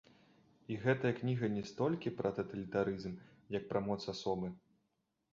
І гэтая кніга не столькі пра таталітарызм, як пра моц асобы.